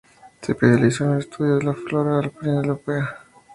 Se especializó en el estudio de la flora alpina europea.